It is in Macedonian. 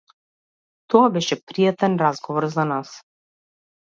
Тоа беше пријатен разговор за нас.